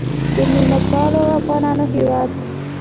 د میلمه پالو افغانانو هیواد.